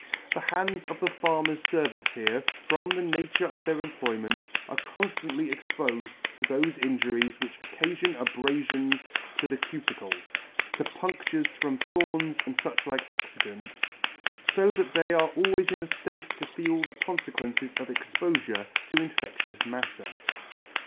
The hands of the farmers' fervants here, from the nature of their employments, are conflantly expofed to thofe injuries which occafion abrafions of the cuticle, to pundtures from thorns and fuch like accidents ; fo that they are always in a flate to feel the confequences of expofure to infectious matter.